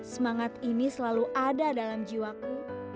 semangat ini selalu ada dalam jiwaku